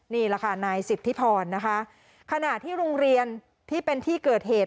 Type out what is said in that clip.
นี่แหละค่ะนายสิทธิพรนะคะขณะที่โรงเรียนที่เป็นที่เกิดเหตุ